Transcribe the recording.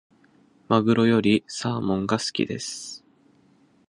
マグロよりサーモンが好きです。